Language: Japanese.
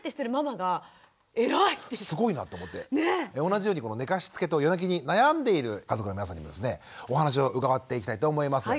同じように寝かしつけと夜泣きに悩んでいる家族の皆さんにもですねお話を伺っていきたいと思います。